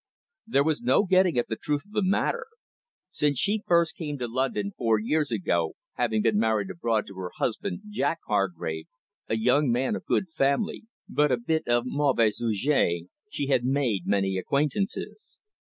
There was no getting at the truth of the matter. Since she first came to London, four years ago, having been married abroad to her husband, Jack Hargrave, a young man of good family, but a bit of a mauvais sujet, she had made many acquaintances.